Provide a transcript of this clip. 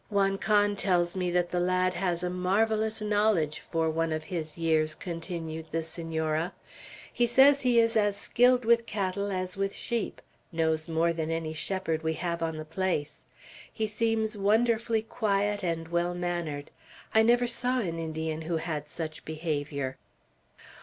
"Juan Can tells me that the lad has a marvellous knowledge for one of his years," continued the Senora. "He says he is as skilled with cattle as with sheep; knows more than any shepherd we have on the place. He seems wonderfully quiet and well mannered. I never saw an Indian who had such behavior."